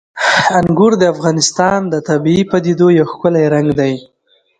انګور د افغانستان د طبیعي پدیدو یو ښکلی رنګ دی.